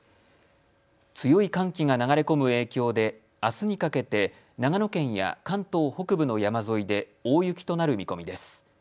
強い寒気が流れ込む影響であすにかけて長野県や関東北部の山沿いで大雪となる見込みです。